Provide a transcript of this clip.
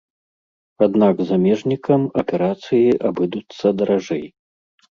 Аднак замежнікам аперацыі абыдуцца даражэй.